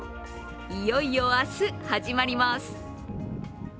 いよいよ明日、始まります。